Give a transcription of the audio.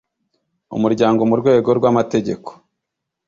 umuryango mu rwego rw amategeko